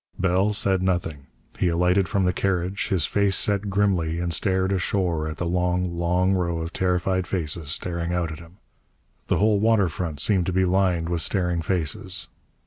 Bell said nothing. He alighted from the carriage, his face set grimly, and stared ashore at the long, long row of terrified faces staring out at him. The whole waterfront seemed to be lined with staring faces.